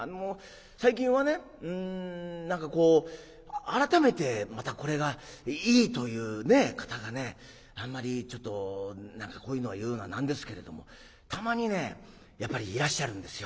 最近はねうん何かこう改めてまたこれがいいという方がねあんまりちょっと何かこういうのは言うのは何ですけれどもたまにねやっぱりいらっしゃるんですよ。